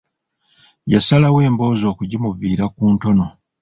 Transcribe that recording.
Yasalawo emboozi okugimuviira ku ntono.